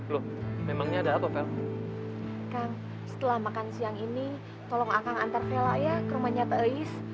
loh memangnya ada apa vel kang setelah makan siang ini tolong akang antar vela ya ke rumahnya teh eis